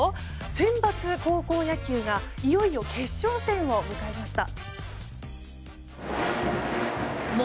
センバツ高校野球がいよいよ決勝戦を迎えました。